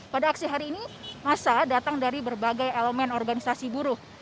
pada aksi hari ini masa datang dari berbagai elemen organisasi buruh